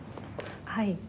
はい。